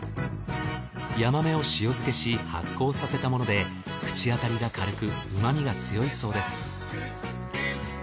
ヤマメを塩漬けし発酵させたもので口当たりが軽くうまみが強いそうです。